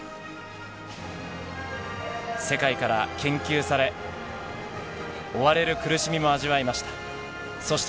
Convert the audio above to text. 世界から研究され、追われる苦しみも味わいました。